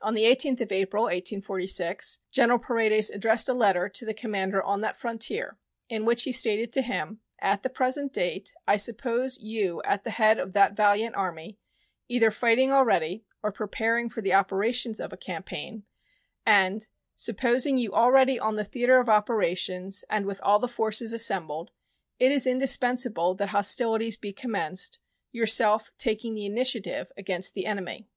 On the 18th of April, 1846, General Paredes addressed a letter to the commander on that frontier in which he stated to him: "At the present date I suppose you, at the head of that valiant army, either fighting already or preparing for the operations of a campaign;" and, "Supposing you already on the theater of operations and with all the forces assembled, it is indispensable that hostilities be commenced, yourself taking the initiative against the enemy."